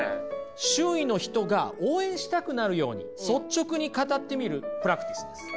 周囲の人が応援したくなるように率直に語ってみるプラクティスです。